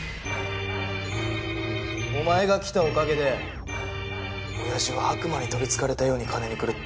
お前が来たおかげで親父は悪魔に取りつかれたように金に狂った。